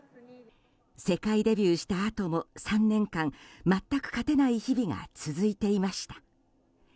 世界デビューしたあとも３年間全く勝てない日々が続いていました。